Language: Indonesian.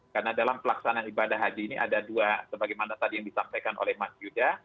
karena dalam pelaksanaan ibadah haji ini ada dua sebagaimana tadi yang disampaikan oleh mas yuda